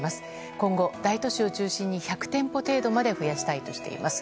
今後、大都市を中心に１００店舗程度まで増やしたいとしています。